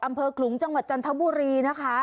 อำเภอกลุงจังหวัดจันทบุรี